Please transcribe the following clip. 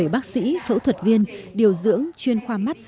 bảy bác sĩ phẫu thuật viên điều dưỡng chuyên khoa mắt